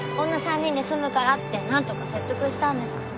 女３人で住むからって何とか説得したんです。